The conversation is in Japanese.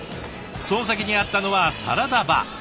その先にあったのはサラダバー。